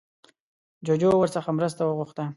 جوجو ورڅخه مرسته وغوښته